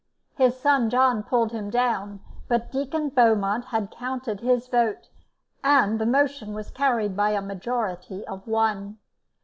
His son John pulled him down, but Deacon Beaumont had counted his vote, and the motion was carried by a majority of one.